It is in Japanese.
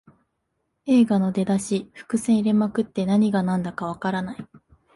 映画の出だし、伏線入れまくって何がなんだかわからない